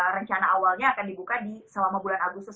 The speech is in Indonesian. rencana awalnya akan dibuka selama bulan agustus